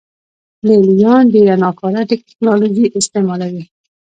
لې لیان ډېره ناکاره ټکنالوژي استعملوي